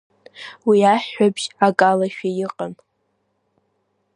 Уи аҳәҳәабжь акалашәа иҟан.